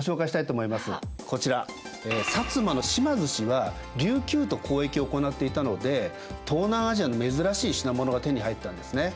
こちら摩の島津氏は琉球と交易を行っていたので東南アジアの珍しい品物が手に入ったんですね。